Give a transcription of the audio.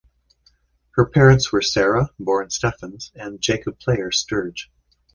Her parents were Sarah (born Stephens) and Jacob Player Sturge.